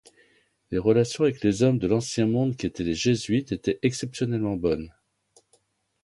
Les relations avec les hommes de l'Ancien Monde qu'étaient les Jésuites étaient exceptionnellement bonnes.